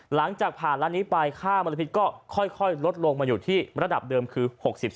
หลังจากผ่านร้านนี้ไปค่ามลพิษก็ค่อยลดลงมาอยู่ที่ระดับเดิมคือ๖๐